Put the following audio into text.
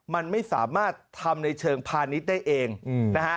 มันไม่สามารถทำในเชิงพาณิชย์ได้เองนะฮะ